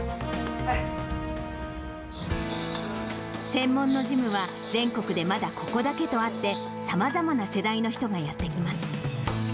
専門のジムは、全国でまだここだけとあって、さまざまな世代の人がやって来ます。